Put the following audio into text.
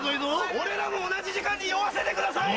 俺らも同じ時間に酔わせてください。